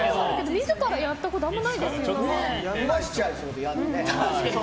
自らやったことはないですよね。